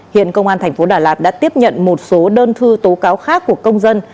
hiện công an tp đà lạt đã tiếp nhận một số đơn thư tố cáo khác của công dân